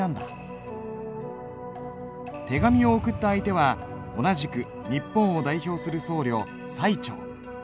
手紙を送った相手は同じく日本を代表する僧侶最澄。